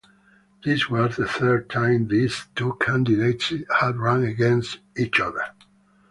This was the third time these two candidates had run against each other.